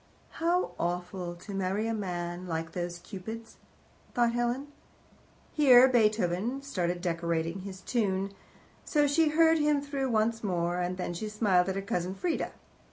"How awful to marry a man like those Cupids!" thought Helen. Here Beethoven started decorating his tune, so she heard him through once more, and then she smiled at her cousin Frieda.